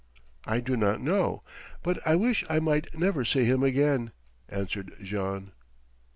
"I do not know, but I wish I might never see him again," answered Jean.